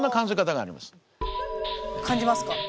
感じますか？